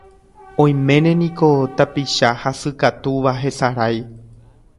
Oiméne niko tapicha hasykatúva hesarái.